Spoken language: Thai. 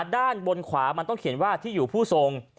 ด้านบนขวามันต้องเขียนว่าที่อยู่ผู้ทรง